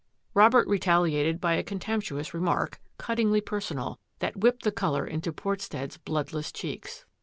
Robert retaliated by a contemptuous remark, cuttingly personal, that whipped the colour into Portstead's bloodless cheeks.